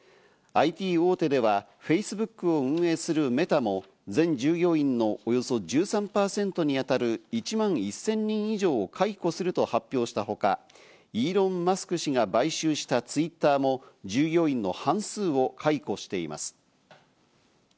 ＩＴ大手ではＦａｃｅｂｏｏｋを運営するメタも全従業員のおよそ１３％にあたる１万１０００人以上を解雇すると発表したほか、イーロン・マスク氏が買収したＴｗｉｔｔｅｒも従業員の半数を解雇しています。